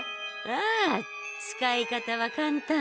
ああ使い方は簡単。